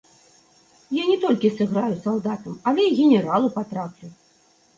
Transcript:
Я не толькі сыграю салдатам, але і генералу патраплю.